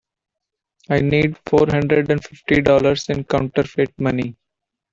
I need four hundred and fifty dollars in counterfeit money.